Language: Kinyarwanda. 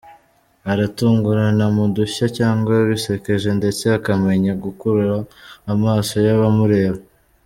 Aratungurana mu dushya cyangwa bisekeje ndetse akamenya gukurura amaso y’abamureba.